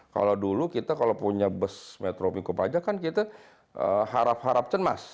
kalau dulu kita kalau punya bus metro pikup aja kan kita harap harap cemas